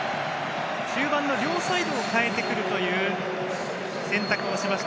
中盤の両サイドを代えてくるという選択をしました。